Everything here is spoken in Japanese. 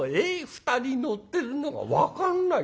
２人乗ってるのが分かんない。